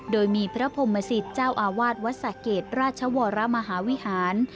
โดยมีพระพรหมสิตเจ้าอาวาสวัดสะเกดราชวรมหาวิหาร